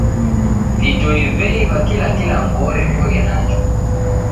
Vidoi veiw'a kila kilambo orekoghe nacho.